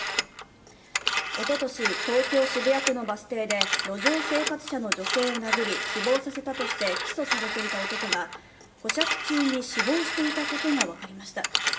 おととし、東京・渋谷区のバス停で路上生活者の女性を殴り死亡させたとして起訴されていた男が保釈中に死亡していたことが分かりました。